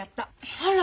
あら。